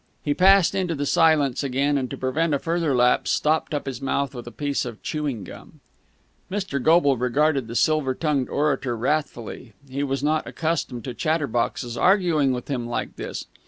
He passed into the silence again, and, to prevent a further lapse, stopped up his mouth with a piece of chewing gum. Mr. Goble regarded the silver tongued orator wrathfully. He was not accustomed to chatterboxes arguing with him like this.